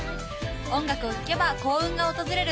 音楽を聴けば幸運が訪れる